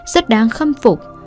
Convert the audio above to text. rất đáng khâm phục